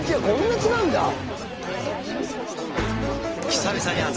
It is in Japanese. こんな違うんだ！